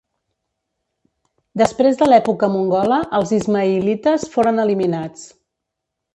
Després de l'època mongola els ismaïlites foren eliminats.